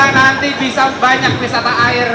nanti bisa banyak wisata air